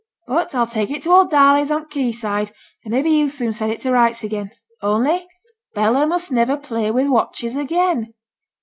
But I'll take it to old Darley's on th' quay side, and maybe he'll soon set it to rights again. Only Bella must niver play with watches again.'